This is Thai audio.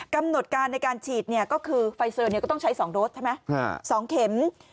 กำหนดการในการฉีดก็คือไฟเซอร์ก็ต้องใช้๒โดสใช่ไหม๒เข็ม